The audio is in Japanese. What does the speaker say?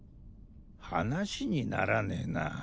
話にならねえな。